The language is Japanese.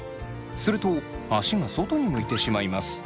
すると足が外に向いてしまいます。